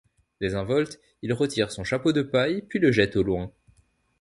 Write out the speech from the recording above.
Désinvolte, il retire son chapeau de paille puis le jette au loin.